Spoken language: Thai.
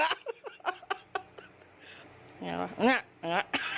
อย่างนี้อย่างนี้